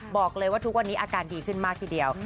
บอกเลยว่าทุกวันนี้อาการดีขึ้นมากทีเดียว